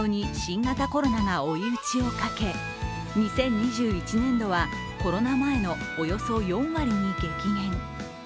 利用客の減少に新型コロナが追い打ちをかけ、２０２１年度はコロナ前のおよそ４割に激減。